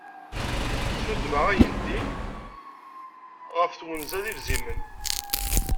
Tidma ayen din, ɣef twenza d ibzimen.